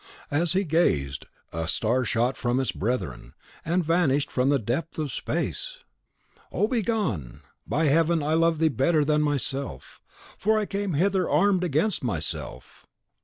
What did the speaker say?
As he gazed, a star shot from its brethren, and vanished from the depth of space! CHAPTER 3.XIII. O, be gone! By Heaven, I love thee better than myself, For I came hither armed against myself.